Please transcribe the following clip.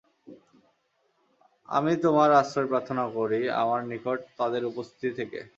আমি তোমার আশ্রয় প্রার্থনা করি আমার নিকট তাদের উপস্থিতি থেকে।